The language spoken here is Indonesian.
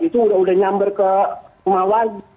itu udah nyambar ke mawar